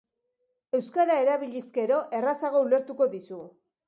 Euskara erabiliz gero, errazago ulertuko dizu.